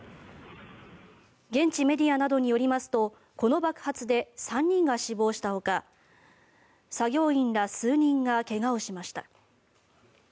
現地メディアなどによりますとこの爆発で３人が死亡したほか作業員ら数人が怪我をしました。